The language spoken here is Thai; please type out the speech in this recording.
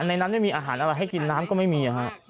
ในนั้นไม่มีอาหารอะไรให้กินน้ำก็ไม่มี